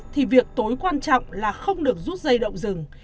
thì việc tối quan trọng là không được rút dây động rừng